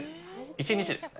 １日ですね。